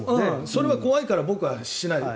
それは怖いから僕はしない。